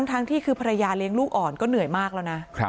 ทั้งที่คือภรรยาเลี้ยงลูกอ่อนก็เหนื่อยมากแล้วนะ